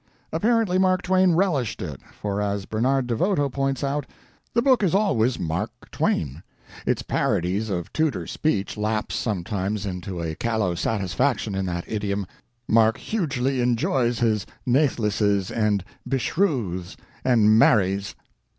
Apparently Mark Twain relished it, for as Bernard DeVoto points out, "The book is always Mark Twain. Its parodies of Tudor speech lapse sometimes into a callow satisfaction in that idiom Mark hugely enjoys his nathlesses and beshrews and marrys."